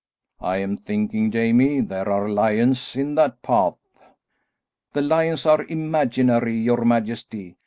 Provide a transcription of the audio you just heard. I am thinking, Jamie, there are lions in that path." "The lions are imaginary, your majesty.